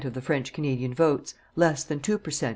of the French Canadian votes, less than two per cent.